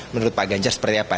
menurut pak ganjar seperti apa